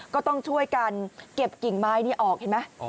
ก็ต้องช่วยกันเก็บกิ่งไม้นี้ออกเห็นไหม